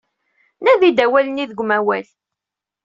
Nadi-d awal-nni deg umawal.